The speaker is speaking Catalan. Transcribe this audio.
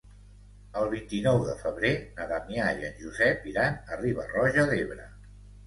El vint-i-nou de febrer na Damià i en Josep iran a Riba-roja d'Ebre.